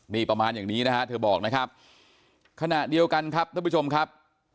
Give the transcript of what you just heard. นี่ประมาณอย่างนี้นะฮะเธอบอกนะครับขณะเดียวกันครับท่านผู้ชมครับ